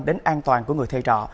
đến an toàn của người thê trọ